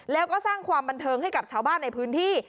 แล้วก็สร้างความบันเทิงให้กับชาวบ้านในพื้นที่